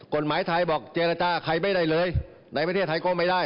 กฎหมายไทยบอกเจรจากับใครไม่ได้เลยในประเทศไทยก็ไม่ได้